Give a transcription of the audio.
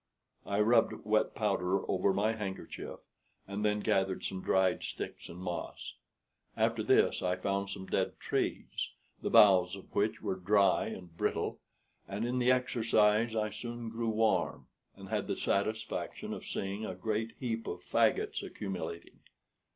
I rubbed wet powder over my handkerchief, and then gathered some dried sticks and moss. After this I found some dead trees, the boughs of which were dry and brittle, and in the exercise I soon grew warm, and had the satisfaction of seeing a great heap of fagots accumulating.